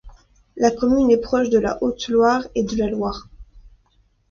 La commune est proche de la Haute-Loire et de la Loire.